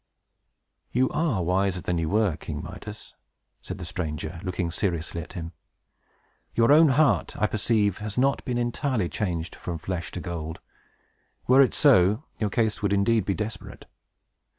"You are wiser than you were, King Midas!" said the stranger, looking seriously at him. "Your own heart, I perceive, has not been entirely changed from flesh to gold. Were it so, your case would indeed be desperate.